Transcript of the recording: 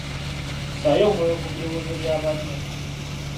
Ssaayo omwoyo ku birowoozo bya banno .